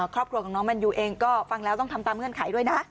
ครอบครัวของน้องแมนยูเองก็ฟังแล้วต้องทำตามเงื่อนไขด้วยนะ